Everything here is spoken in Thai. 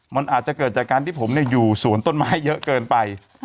มันอาจจะเกิดจากการที่ผมอยู่สวนต้นไม้เยอะเกินไป